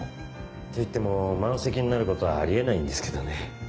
といっても満席になることはあり得ないんですけどね。